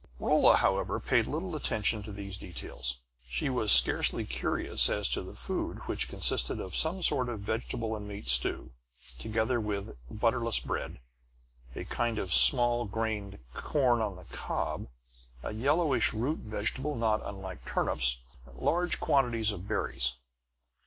Rolla, however, paid little attention to these details. She was scarcely curious as to the food, which consisted of some sort of vegetable and meat stew, together with butterless bread, a kind of small grained corn on the cob, a yellowish root vegetable not unlike turnips, and large quantities of berries.